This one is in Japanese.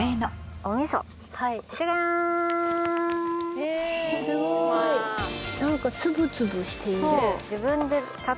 へぇすごい何か粒々してる。